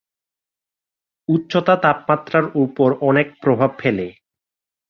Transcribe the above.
উচ্চতা তাপমাত্রার উপর অনেক প্রভাব ফেলে।